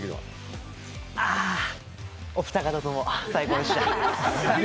お二方とも、最高でした。